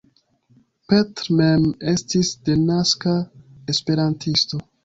Petr mem estis denaska esperantisto.